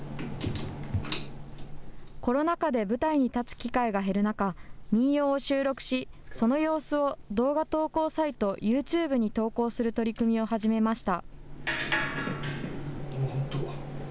コロナ禍で舞台に立つ機会が減る中、民謡を収録し、その様子を動画投稿サイト、ユーチューブに投稿する取り組みを始めました。